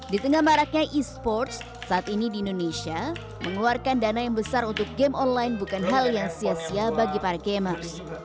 di tengah maraknya e sports saat ini di indonesia mengeluarkan dana yang besar untuk game online bukan hal yang sia sia bagi para gamers